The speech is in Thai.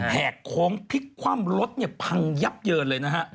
แหกโค้งพลิกคว่ำรถเนี่ยพังยับเยินเลยนะฮะ